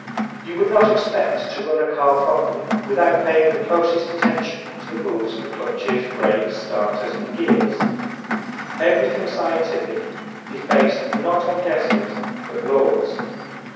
You would not expect to run a car properly without paying the closest attention to the rules for clutches, brakes, starters and gears. Everything scientific is based not on guesses but laws.